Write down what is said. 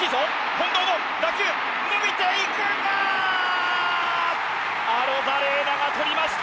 近藤の打球伸びていくがアロザレーナが捕りました。